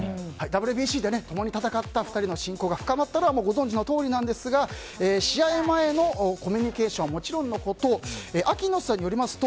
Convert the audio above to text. ＷＢＣで共に戦った２人の親交が深まったのはご存じのとおりですが試合前のコミュニケーションはもちろんのことＡＫＩ猪瀬さんによりますと